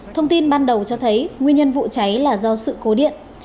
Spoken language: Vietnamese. thông tin ban đầu cho thấy nguyên nhân vụ cháy là do sự cố điện